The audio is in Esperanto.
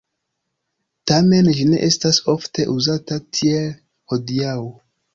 Tamen ĝi ne estas ofte uzata tiel hodiaŭ.